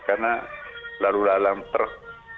karena lalu lalang terh